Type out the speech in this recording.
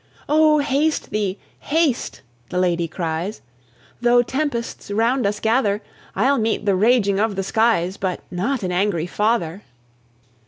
"O haste thee, haste!" the lady cries, "Though tempests round us gather; I'll meet the raging of the skies, But not an angry father."